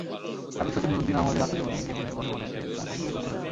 সাবেক সচিব নূরুদ্দিন আহমদের আত্মজীবনী জীবনের বনে বনে-তে তাঁর সম্পর্কে তথ্য রয়েছে।